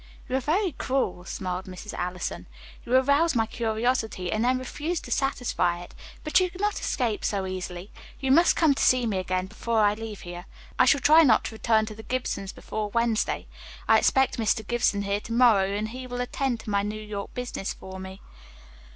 "You are very cruel," smiled Mrs. Allison. "You arouse my curiosity and then refuse to satisfy it. But you cannot escape so easily. You must come to see me again before I leave here. I shall not try to return to the Gibsons before Wednesday. I expect Mr. Gibson here to morrow and he will attend to my New York business for me.